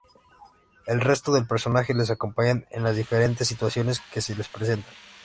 El resto de personajes les acompañan en las diferentes situaciones que se les presentan.